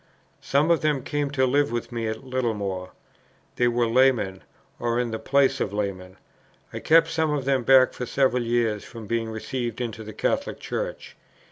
Some of them came to live with me at Littlemore. They were laymen, or in the place of laymen. I kept some of them back for several years from being received into the Catholic Church.